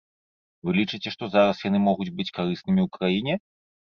Вы лічыце, што зараз яны могуць быць карыснымі ў краіне?